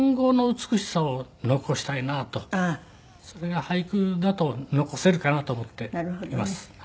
それが俳句だと残せるかなと思っています。